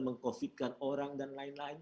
meng covid kan orang dan lain lain